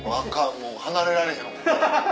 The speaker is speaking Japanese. もう離れられへん。